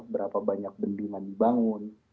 berapa banyak bendungan dibangun